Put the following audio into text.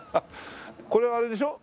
これはあれでしょ？